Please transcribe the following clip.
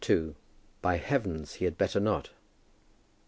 BY HEAVENS HE HAD BETTER NOT!